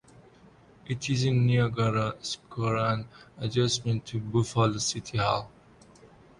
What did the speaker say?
It is in Niagara Square and adjacent to Buffalo City Hall.